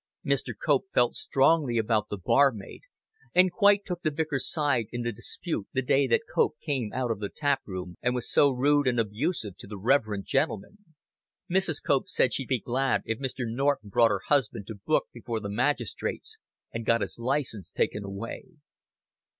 Mrs. Cope felt strongly about the barmaid, and quite took the vicar's side in the dispute the day that Cope came out of the tap room and was so rude and abusive to the reverend gentleman. Mrs. Cope said she'd be glad if Mr. Norton brought her husband to book before the magistrates and got his license taken away.